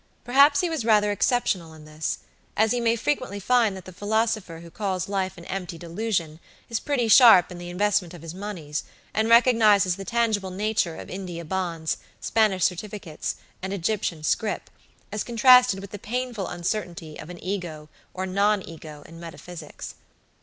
Perhaps he was rather exceptional in this, as you may frequently find that the philosopher who calls life an empty delusion is pretty sharp in the investment of his moneys, and recognizes the tangible nature of India bonds, Spanish certificates, and Egyptian scripas contrasted with the painful uncertainty of an Ego or a non Ego in metaphysics.